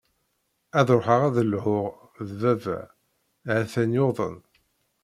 Ad ruḥeɣ ad lhuɣ d baba, ha-t-an yuḍen.